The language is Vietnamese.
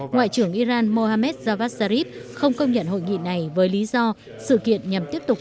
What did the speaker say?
ngoại trưởng iran mohamed javad zarif không công nhận hội nghị này với lý do sự kiện nhằm tiếp tục